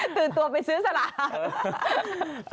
ตื่นตัวไปซื้อสลาก